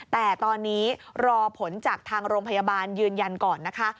แต่ตอนนี้รอผลจากทางโรงพยาบาลยืนยันก่อนนะคะ